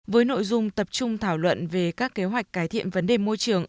với nội dung tập trung thảo luận về các kế hoạch cải thiện vấn đề môi trường